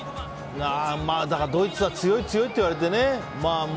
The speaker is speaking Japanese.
だからドイツは強い、強いっていわれてね。